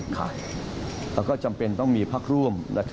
แล้วก็จำเป็นต้องมีพักร่วม